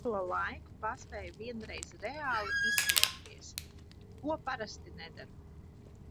Pa šo laiku paspēju vienreiz reāli izkliegties, ko parasti nedaru.